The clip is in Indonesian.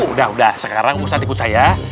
udah udah sekarang ustadz ikut saya